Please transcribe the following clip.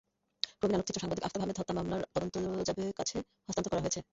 প্রবীণ আলোকচিত্র সাংবাদিক আফতাব আহমেদ হত্যা মামলার তদন্ত র্যাবের কাছে হস্তান্তর করা হয়েছে।